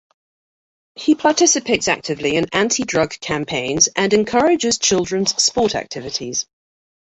He participates actively in anti-drug campaigns and encourages children's sport activities.